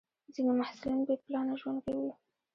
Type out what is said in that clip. ځینې محصلین بې پلانه ژوند کوي.